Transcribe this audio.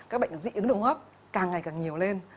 các bệnh dị ứng đồng hấp càng ngày càng nhiều lên